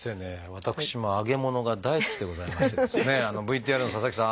私も揚げ物が大好きでございましてですねＶＴＲの佐々木さん